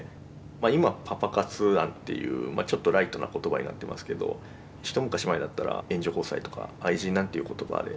今「パパ活」なんていうちょっとライトな言葉になっていますけど一昔前だったら「援助交際」とか「愛人」なんていう言葉で。